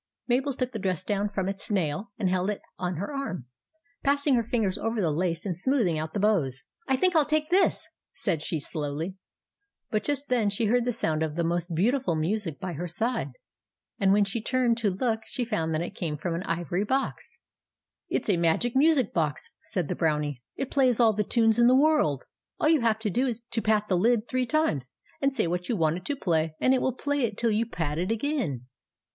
Mabel took the dress down from its THE BROWNIE JELLY 193 nail and held it on her arm, passing her fingers over the lace and smoothing out the bows. " I think 1 11 take this," said she, slowly ; but just then she heard the sound of the most beautiful music by her side ; and when she turned to look, she found that it came from an ivory box. " It s a magic music box," said the Brownie. "It plays all the tunes in the world. All you have to do is to pat the lid three times, and say what you want it to play, and it will play it till you pat it again."